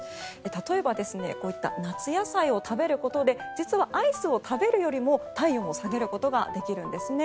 例えば、こういった夏野菜を食べることで実はアイスを食べるよりも体温を下げることができるんですね。